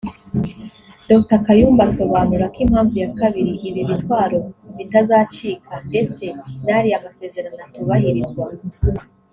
Dr Kayumba asobanura ko impamvu ya kabiri ibi bitwaro bitazacika ndetse n’ariya masezerano atubahirizwa